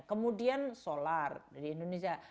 kemudian solar di indonesia